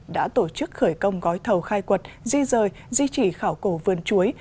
đã tổ chức khởi công gói thầu khai quật di rời di chỉ khảo cổ vườn chuối